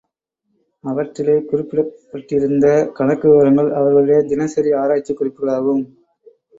அவற்றிலே, குறிப்பிடப் பட்டிருந்த கணக்கு விவரங்கள் அவர்களுடைய தினசரி ஆராய்ச்சிக் குறிப்புகளாகும்.